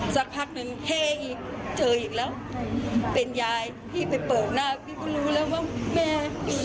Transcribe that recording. สักพักหนึ่งแค่อีกเจออีกแล้วเป็นยายพี่ไปเปิดหน้าพี่ก็รู้แล้วว่าแม่